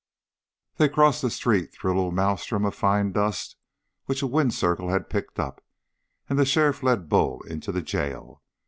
They crossed the street through a little maelstrom of fine dust which a wind circle had picked up, and the sheriff led Bull into the jail.